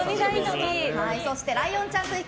そしてライオンちゃんと行く！